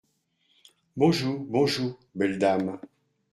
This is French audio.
Bonjou, bonjou, belle dame.